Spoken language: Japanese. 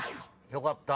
よかった。